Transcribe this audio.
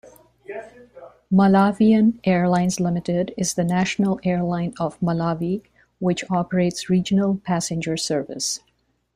Malawian Airlines Limited is the national airline of Malawi which operates regional passenger service.